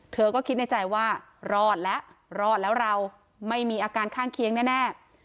เธอก็คิดในใจว่ารอดแล้วรอดแล้วเราไม่มีอาการข้างเคียงแน่